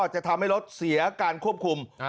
จะทำให้รถเสียการควบคุม